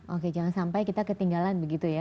oke jangan sampai kita ketinggalan begitu ya